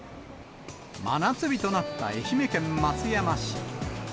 真夏日となった愛媛県松山市。